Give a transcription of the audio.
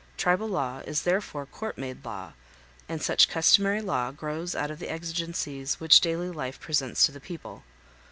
Tribal law is therefore court made law, and such customary law grows out of the exigencies which daily life presents to the people.